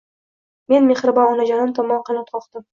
Men mehribon onajonim tomon qanot qoqdim